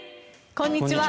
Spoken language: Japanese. こんにちは。